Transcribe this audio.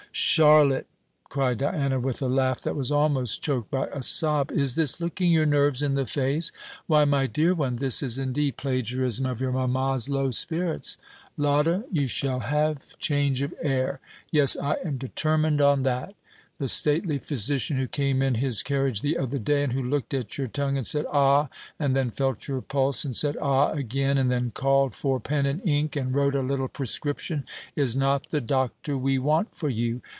"Charlotte!" cried Diana, with a laugh that was almost choked by a sob, "is this looking your nerves in the face? Why, my dear one, this is indeed plagiarism of your mamma's low spirits. Lotta, you shall have change of air; yes, I am determined on that. The stately physician who came in his carriage the other day, and who looked at your tongue, and said 'Ah!' and then felt your pulse and said 'Ah!' again, and then called for pen and ink and wrote a little prescription, is not the doctor we want for you.